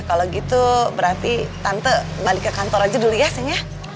kalau gitu berarti tante balik ke kantor aja dulu ya sih ya